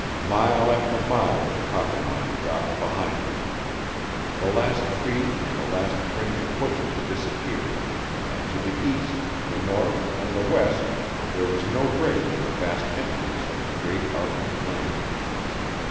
Mile after mile of the Coppermine dropped behind them. The last tree and the last fringe of bushes disappeared, and to the east, the north, and the west there was no break in the vast emptiness of the great Arctic plain.